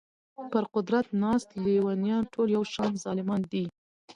پر قدرت ناست لېونیان ټول یو شان ظالمان دي.